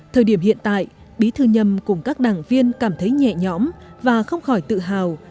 thời điểm hiện tại bí thư nhâm cùng các đảng viên cảm thấy nhẹ nhõm và không khỏi tự hào